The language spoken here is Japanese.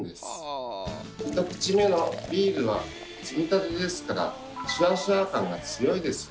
１口目のビールはつぎたてですからシュワシュワ感が強いです。